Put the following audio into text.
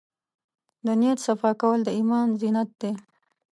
د نیت صفا کول د ایمان زینت دی.